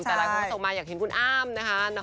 แต่หลายคนส่งมาอยากเห็นคุณอ้ามนะคะ